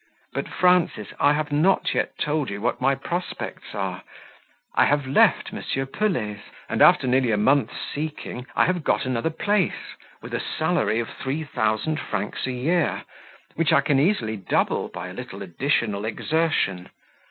"But, Frances, I have not yet told you what my prospects are. I have left M. Pelet's; and after nearly a month's seeking, I have got another place, with a salary of three thousand francs a year, which I can easily double by a little additional exertion.